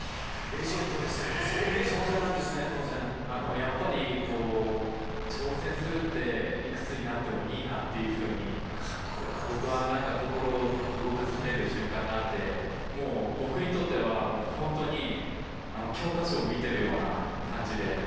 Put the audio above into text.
レジェンドですからね、やっぱりこう、挑戦するって、いくつになってもいいなっていうふうに、僕はなんか、心動かされる瞬間があって、もう僕にとっては、もう本当に、教科書を見てるような感じで。